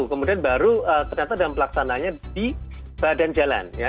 kemudian baru ternyata dalam pelaksananya di badan jalan ya